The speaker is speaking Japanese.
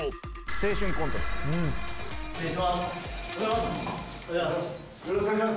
青春コントです。